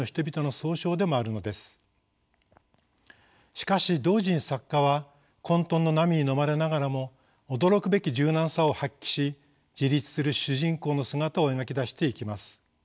しかし同時に作家は混とんの波にのまれながらも驚くべき柔軟さを発揮し自立する主人公の姿を描き出していきます。